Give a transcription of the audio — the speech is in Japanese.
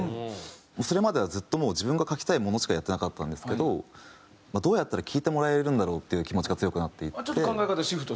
それまではずっともう自分が書きたいものしかやってなかったんですけど「どうやったら聴いてもらえるんだろう？」っていう気持ちが強くなっていって。